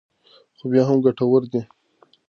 خو بیا هم ګټورې دي.